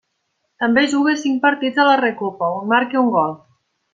També juga cinc partits a la Recopa, on marca un gol.